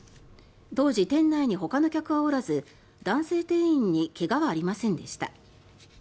当時、店内にほかの客はおらず男性店員に怪我はありませんでした。